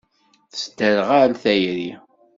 Tesderɣal tayri.